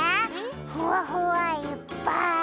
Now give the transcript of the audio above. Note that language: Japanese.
ふわふわいっぱい！